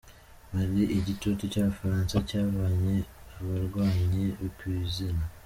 Mali Igitutu cy’Abafaransa cyavanye abarwanyi ba kwiizima